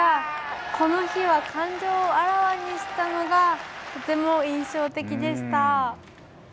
この日は感情をあらわにしたのがとても印象的でした。